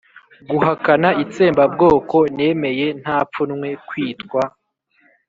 guhakana itsembabwoko, nemeye nta pfunwe kwitwa